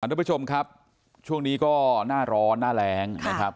ทุกผู้ชมครับช่วงนี้ก็หน้าร้อนหน้าแรงนะครับ